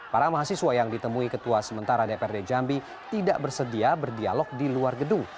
para mahasiswa yang ditemui ketua sementara dprd jambi tidak bersedia berdialog di luar gedung